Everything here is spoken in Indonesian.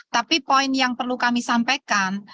tapi poin yang perlu kami sampaikan